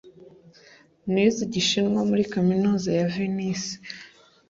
Nize Igishinwa muri kaminuza ya Venise.